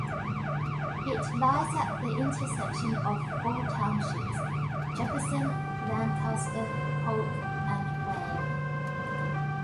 It lies at the intersection of four townships: Jefferson, Lancaster, Polk and Wayne.